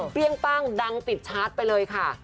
เปลี่ยงปังดังติดชาร์จไปเลยค่ะ